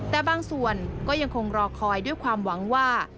แต่บางส่วนก็ยังคงรอคอยด้วยความหวังว่า